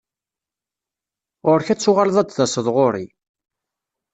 Ɣur-k ad tuɣaleḍ ad d-taseḍ ɣur-i.